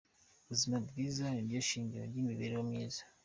Ubuzima bwiza niryo shingiro ry’imibereho myiza.